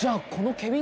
「ケビン！